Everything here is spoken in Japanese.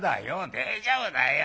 「大丈夫だよ。